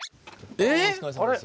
お疲れさまです。